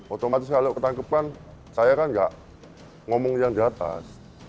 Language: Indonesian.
otomatis kalau ketangkepan saya kan nggak ngomong yang di atas